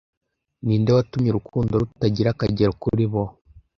ninde watumye urukundo rutagira akagero kuri bo